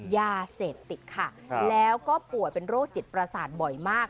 ยาเสพติดค่ะแล้วก็ป่วยเป็นโรคจิตประสาทบ่อยมาก